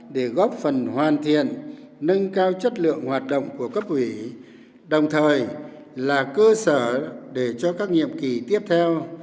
để góp phần hoàn thiện nâng cao chất lượng hoạt động của cấp ủy đồng thời là cơ sở để cho các nhiệm kỳ tiếp theo